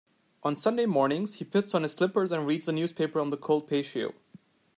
On Sunday mornings, he puts on his slippers and reads the newspaper on the cold patio.